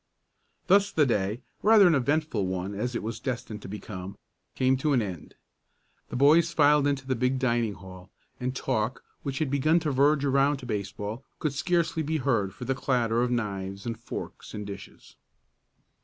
Thus the day rather an eventful one as it was destined to become came to an end. The boys filed into the big dining hall, and talk, which had begun to verge around to baseball, could scarcely be heard for the clatter of knives and forks and dishes.